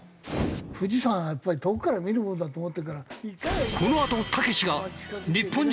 富士山はやっぱり遠くから見るものだと思ってるから。